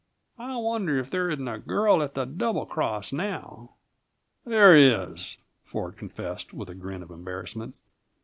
I wonder if there isn't a girl at the Double Cross, now!" "There is," Ford confessed, with a grin of embarrassment.